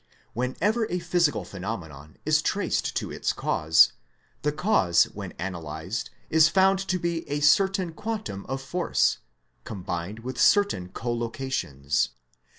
Whenever a physical phenomenon is traced to ARGUMENT FOR A FIRST CAUSE 145 its cause, that cause when analysed is found to be a certain quantum of Force, combined with certain collocations.